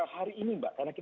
hari ini mbak